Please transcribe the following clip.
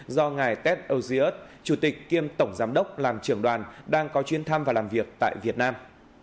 do ngài tet aujiot chủ tịch kiêm tổng giám đốc làm trưởng đoàn đang có chuyến thăm và làm việc tại việt nam